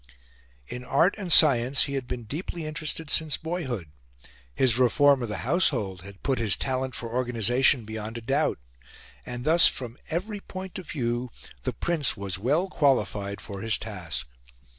In art and science he had been deeply interested since boyhood; his reform of the household had put his talent for organisation beyond a doubt; and thus from every point of view the Prince was well qualified for his task.